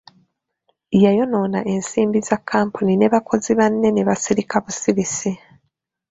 Yayonoona ensimbi za kampuni ne bakozi banne ne basirika busirisi.